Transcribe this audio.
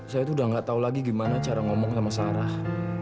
saya tuh udah gak tau lagi gimana cara ngomong sama sarah